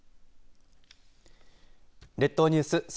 列島ニュース